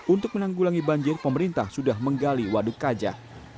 untuk menanggulangi banjir pemerintah sudah menggali waduk kajah